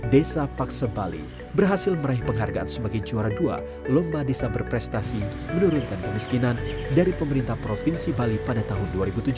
desa paksebali berhasil meraih penghargaan sebagai juara dua lomba desa berprestasi menurunkan kemiskinan dari pemerintah provinsi bali pada tahun dua ribu tujuh belas